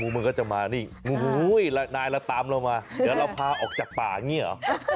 มึงก็จะมานี่นายละตามเรามาเดี๋ยวเราพาออกจากป่าเงี้ย